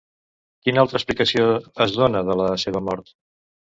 Quina altra explicació es dona de la seva mort?